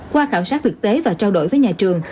qua khảo sát thực tế và trao đổi với nhà trường